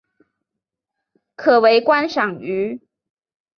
可为观赏鱼。